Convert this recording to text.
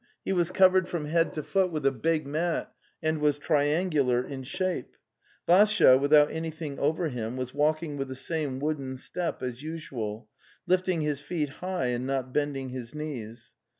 He was covered from head to foot with a big mat and was triangular in shape. Vassya, without anything over him, was walking with the same wooden step as usual, lifting his feet high and not bending his knees.